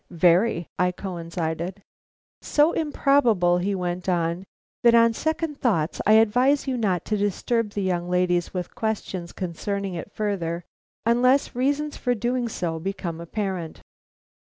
"Very," I coincided. "So improbable," he went on, "that on second thoughts I advise you not to disturb the young ladies with questions concerning it unless further reasons for doing so become apparent."